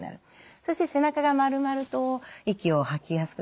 そして背中が丸まると息を吐きやすくなる。